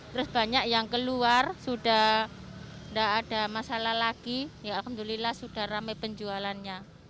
terus banyak yang keluar sudah tidak ada masalah lagi ya alhamdulillah sudah rame penjualannya